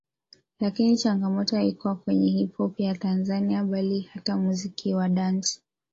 Lakini changamoto haikuwa kwenye HipHop ya Tanzania tu bali hata muziki wa dansi